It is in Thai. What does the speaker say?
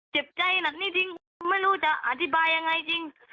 เจ็บใจหนักนี่จริงไม่รู้จะอธิบายยังไงจริง